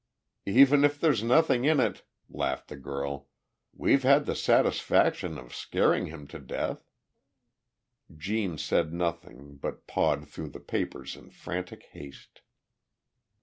"Even if there's nothing in it," laughed the girl, "we've had the satisfaction of scaring him to death." Gene said nothing, but pawed through the papers in frantic haste.